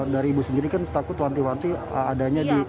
dari ibu sendiri kan takut wanti wanti adanya di